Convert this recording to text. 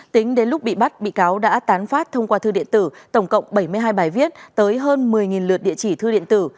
tính đến lúc bị bắt bị cáo đã tán phát thông qua thư điện tử tổng cộng bảy mươi hai bài viết tới hơn một mươi lượt địa chỉ thư điện tử